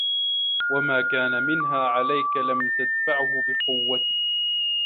وَمَا كَانَ مِنْهَا عَلَيْك لَمْ تَدْفَعْهُ بِقُوَّتِك